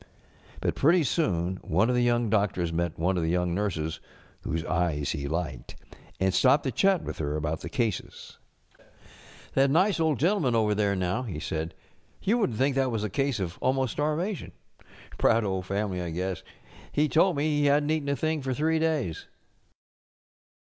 But pretty soon one of the young doctors met one of the young nurses whose eyes he liked, and stopped to chat with her about the cases. ŌĆśŌĆśThat nice old gentleman over there, now,*^ he said, ŌĆ£you wouldn't think that was a case of almost starvation. Proud old family, I guess. He told me he hadnŌĆÖt eaten a thing for three days.